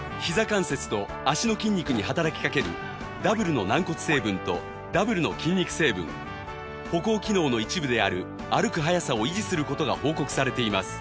関節と脚の筋肉に働きかけるダブルの軟骨成分とダブルの筋肉成分歩行機能の一部である歩く早さを維持する事が報告されています